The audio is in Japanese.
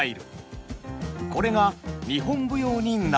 これが日本舞踊になると。